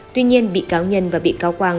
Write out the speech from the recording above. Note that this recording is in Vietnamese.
tuy nhiên bị cáo nhân và bị cáo quang